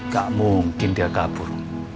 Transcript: gak mungkin dia kabur